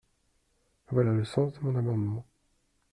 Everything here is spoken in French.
Voilà le sens de mon amendement.